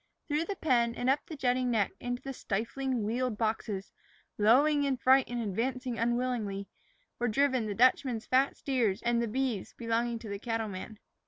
Through the pen and up the jutting neck into the stifling, wheeled boxes, lowing in fright and advancing unwillingly, were driven the Dutchman's fat steers and the beeves belonging to the cattleman.